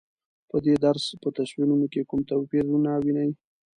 په دې درس په تصویرونو کې کوم توپیرونه وینئ؟